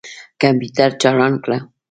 کمپیوټر چالان کړه.